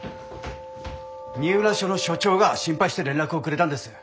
二浦署の署長が心配して連絡をくれたんです。